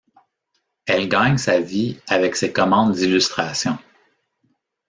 Elle gagne sa vie avec ces commandes d'illustrations.